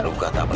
aduh gak apa apa